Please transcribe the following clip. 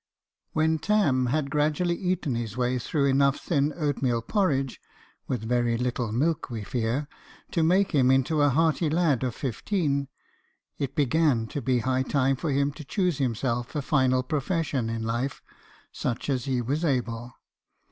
When Tarn had gradually eaten his way through enough thin oatmeal porridge (with very little milk, we fear) to make him into a hearty lad of fifteen, it began to be high time for him to choose himself a final profession in life, such as he was able.